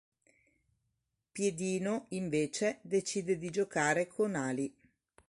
Piedino invece decide di giocare con Ali.